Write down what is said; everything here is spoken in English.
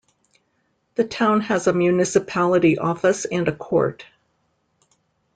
The town has a municipality office and a court.